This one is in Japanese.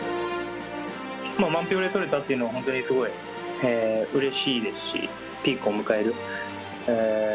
満票で取れたっていうのは、本当にすごいうれしいですし、ピークを迎える。